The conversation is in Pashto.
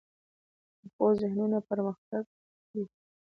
پخو ذهنونو کې پرمختګ وي